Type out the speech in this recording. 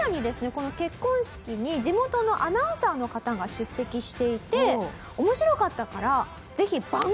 この結婚式に地元のアナウンサーの方が出席していて「面白かったから」。